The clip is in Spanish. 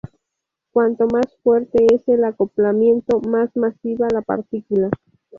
Cuanto más fuerte el acoplamiento, más masiva la partícula.